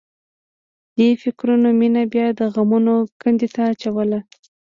دې فکرونو مينه بیا د غمونو کندې ته اچوله